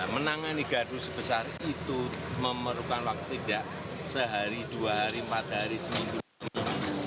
menangkan di gadu sebesar itu memerlukan waktu tidak sehari dua hari empat hari seminggu